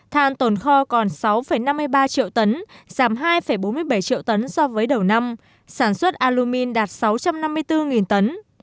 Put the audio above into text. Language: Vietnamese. than tổn kho còn sáu năm mươi ba triệu tấn giảm hai bốn mươi bảy triệu tấn so với đầu năm sản xuất alumin đạt sáu trăm năm mươi bốn tấn